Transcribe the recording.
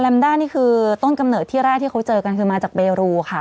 ด้านี่คือต้นกำเนิดที่แรกที่เขาเจอกันคือมาจากเบรูค่ะ